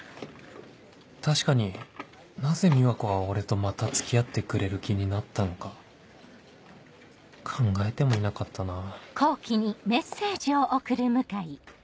確かになぜ美和子は俺とまた付き合ってくれる気になったのか考えてもいなかったなぁ